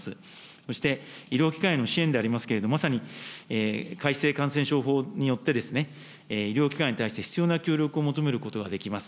そして、医療機関への支援でありますけれども、まさに改正感染症法によって、医療機関に対して必要な協力を求めることができます。